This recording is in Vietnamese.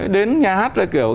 đến nhà hát là kiểu